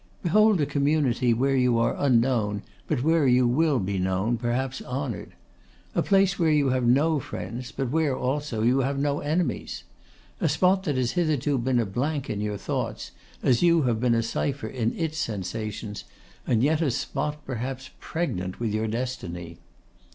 Behold a community where you are unknown, but where you will be known, perhaps honoured. A place where you have no friends, but where, also, you have no enemies. A spot that has hitherto been a blank in your thoughts, as you have been a cipher in its sensations, and yet a spot, perhaps, pregnant with your destiny!